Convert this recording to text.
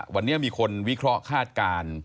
วันนี้มีคนวิเคราะห์คาดการณ์